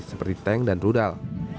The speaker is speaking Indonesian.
seperti tank dan rudal